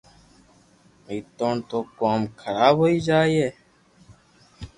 نيتوڙ تو ڪوم خراب ھوئي جائي